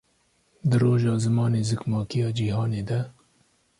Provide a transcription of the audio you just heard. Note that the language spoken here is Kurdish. Di Roja Zimanê Zikmakî ya Cihanê De